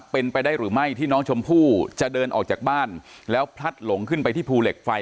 เป็นไปได้หรือไม่ที่น้องชมพู่จะเดินออกจากบ้านแล้วพลัดหลงขึ้นไปที่ภูเหล็กไฟ